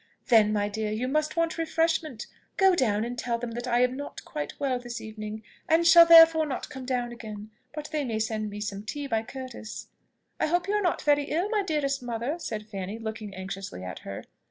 "Then, my dear, you must want refreshment. Go down and tell them that I am not quite well this evening, and shall therefore not come down again; but they may send me some tea by Curtis." "I hope you are not very ill, my dearest mother?" said Fanny, looking, anxiously at her.